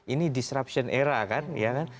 ini disruption era kan ya kan